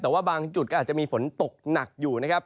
แต่ว่าบางจุดก็อาจจะมีฝนตกหนักอยู่นะครับ